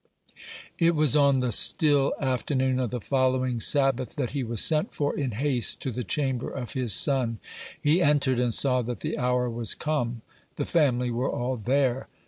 It was on the still afternoon of the following Sabbath that he was sent for, in haste, to the chamber of his son. He entered, and saw that the hour was come. The family were all there.